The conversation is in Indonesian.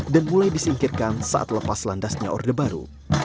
dan mulai disingkirkan saat lepas landasnya orde baru